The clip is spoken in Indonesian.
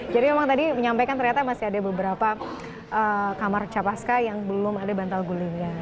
jadi memang tadi menyampaikan ternyata masih ada beberapa kamar capaska yang belum ada bantal guling